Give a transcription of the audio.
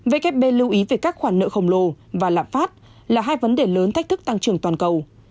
vkp lưu ý về các khoản nợ khổng lồ và lạm phát là hai vấn đề lớn thách thức tăng trưởng toàn cầu